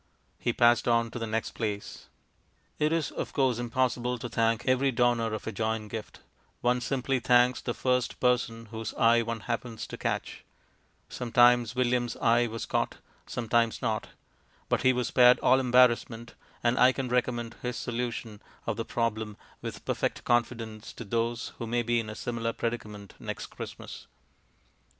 He passed on to the next place.... It is, of course, impossible to thank every donor of a joint gift; one simply thanks the first person whose eye one happens to catch. Sometimes William's eye was caught, sometimes not. But he was spared all embarrassment; and I can recommend his solution of the problem with perfect confidence to those who may be in a similar predicament next Christmas.